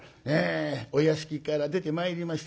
お屋敷から出てまいりました